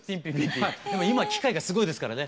今機械がすごいですからね。